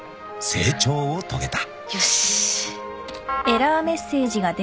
［成長を遂げた］